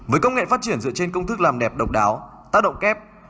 với công nghệ phát triển dựa trên công thức làm đẹp độc đáo tác động kép